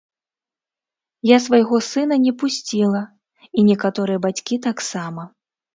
Я свайго сына не пусціла, і некаторыя бацькі таксама.